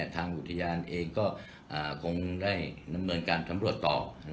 ทางวุธยามตัวก็ได้นำเนินการสำรวจต่อ